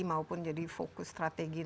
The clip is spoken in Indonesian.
maupun jadi fokus strategi